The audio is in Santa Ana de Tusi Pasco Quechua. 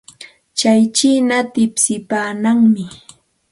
Tsay chiina tipsipaamanmi.